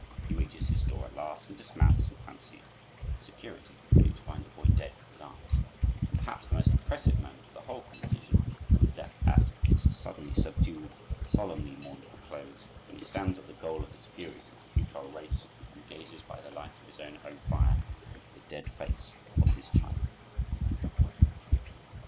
He reaches his door at last and dismounts in fancied security, only to find the boy dead in his arms; and perhaps the most impressive moment of the whole composition is that at its suddenly subdued, solemnly mournful close, when he stands at the goal of his furious but futile race, and gazes, by the light of his own home fire, into the dead face of his child.